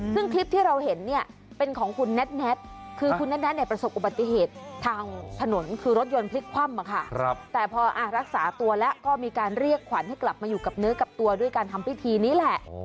ซึ่งคลิปที่เราเห็นเนี้ยเป็นของคุณนัทคือคุณนัทรักษาตัวแล้วก็ก็มีการเรียกขวัญให้กลับมาอยู่กับเนื้อกับตัวด้วยการทำพิธีนี้แหละ